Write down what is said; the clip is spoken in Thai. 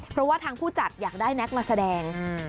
เพราะว่าทางผู้จัดอยากได้แน็กมาแสดง